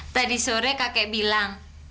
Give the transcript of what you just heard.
tadi sore kakek bilang